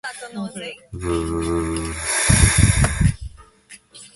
The exact interpretations are unknown, but it probably follows a similar method to aleuromancy.